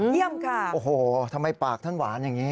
เยี่ยมค่ะโอ้โหทำไมปากท่านหวานอย่างนี้